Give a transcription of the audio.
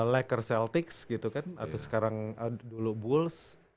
laker celtics gitu kan atau sekarang dulu bulls